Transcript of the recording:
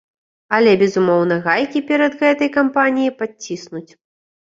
Але, безумоўна, гайкі перад гэтай кампаніяй падціснуць.